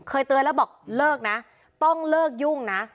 เคยเตือนแล้วบอกเลิกนะต้องเลิกยุ่งนะ